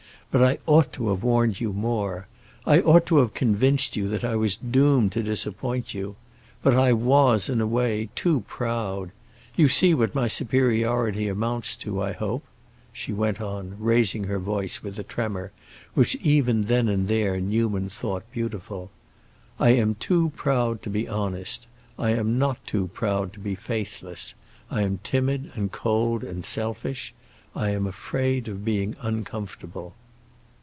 But I ought to have warned you more. I ought to have convinced you that I was doomed to disappoint you. But I was, in a way, too proud. You see what my superiority amounts to, I hope!" she went on, raising her voice with a tremor which even then and there Newman thought beautiful. "I am too proud to be honest, I am not too proud to be faithless. I am timid and cold and selfish. I am afraid of being uncomfortable."